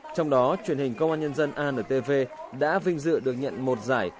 trong đó truyền hình công an nhân dân antv đã vinh dự được nhận một giải